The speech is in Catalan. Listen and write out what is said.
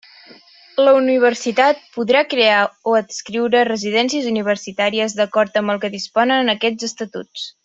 La Universitat podrà crear o adscriure residències universitàries d'acord amb el que disposen aquests Estatuts.